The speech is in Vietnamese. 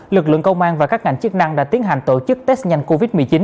lực lượng công an và các ngành chức năng đã tiến hành tổ chức test nhanh covid một mươi chín